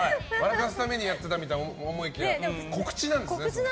かすためにやっていたと思いきや告知なんですね。